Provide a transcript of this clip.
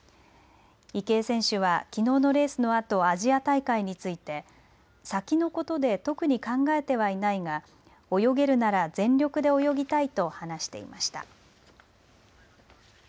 池江選手はきのうのレースのあとアジア大会について先のことで特に考えてはいないが泳げるなら全力で泳ぎたいと話していました。